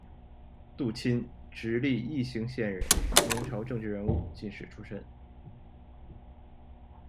杜钦，直隶宜兴县人，明朝政治人物、进士出身。